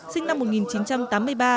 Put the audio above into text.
sinh năm một nghìn chín trăm tám mươi ba